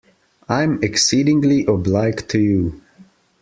I am exceedingly obliged to you.